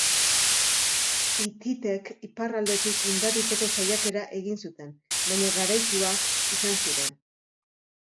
Hititek, iparraldetik inbaditzeko saiakera egin zuten, baina garaituak izan ziren.